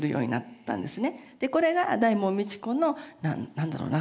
でこれが大門未知子のなんだろうな？